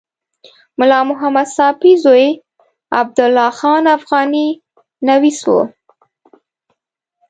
ملا محمد ساپي زوی عبدالله خان افغاني نویس و.